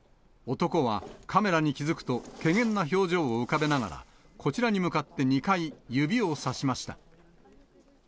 男はカメラに気付くと、けげんな表情を浮かべながら、こちらに向かって２回、指をさしました。